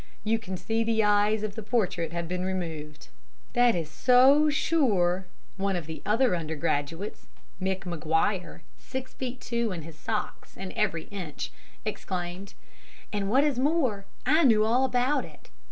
You can see the eyes of the portrait have been removed.' "'That is so, shure,' one of the other undergraduates, Mick Maguire six feet two in his socks, every inch exclaimed. 'And, what is more, I knew all about it.